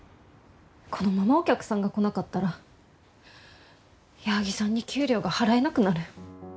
このままお客さんが来なかったら矢作さんに給料が払えなくなる。